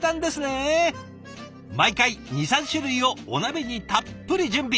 毎回２３種類をお鍋にたっぷり準備。